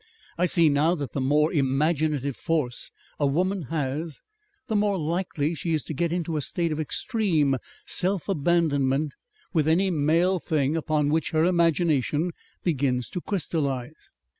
I see now that the more imaginative force a woman has, the more likely she is to get into a state of extreme self abandonment with any male thing upon which her imagination begins to crystallize.